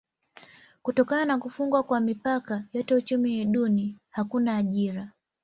Kutokana na kufungwa kwa mipaka yote uchumi ni duni: hakuna ajira.